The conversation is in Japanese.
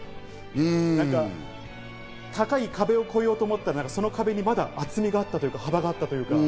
なんか高い壁を越えようと思ったら、その壁にまだ厚みというか、幅があった。